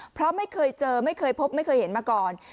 เพราะไม่เคยเจอไม่เคยพบไม่เคยเห็นมาก่อน